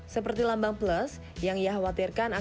seperti lambang plus yang ia khawatirkan akan berdampak kondisi